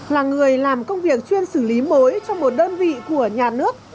là người làm công việc chuyên xử lý mới trong một đơn vị của nhà nước